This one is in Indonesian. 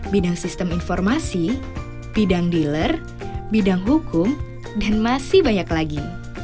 bidang sistem informasi bidang dealer bidang hukum dan masih banyak lagi